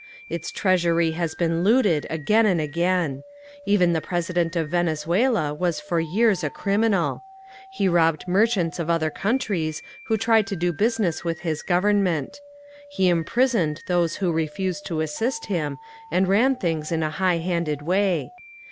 Its treasury has been looted again and again. Even the president of Venezuela was for years a criminal. He robbed merchants of other countries who tried to do business with his government. He imprisoned those who refused to assist him and ran things in a high handed way.